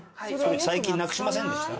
「最近なくしませんでした？」。